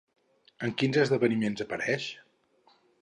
En quins esdeveniments apareix?